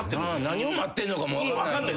何を待ってんのかも分かんない。